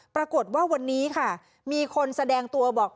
ปรากฏว่าวันนี้ค่ะมีคนแสดงตัวบอก